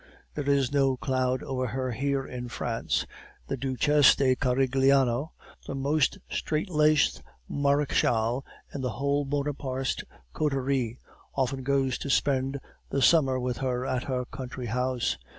There is no cloud over her here in France; the Duchesse de Carigliano, the most strait laced marechale in the whole Bonapartist coterie, often goes to spend the summer with her at her country house.